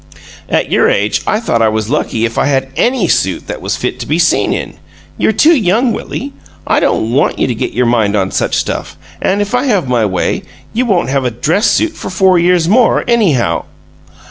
"At your age I thought I was lucky if I had ANY suit that was fit to be seen in. You're too young, Willie. I don't want you to get your mind on such stuff, and if I have my way, you won't have a dress suit for four years more, anyhow."